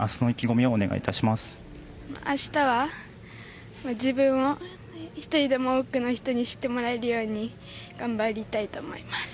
明日は自分を１人でも多くの人に知ってもらえるように頑張りたいと思います。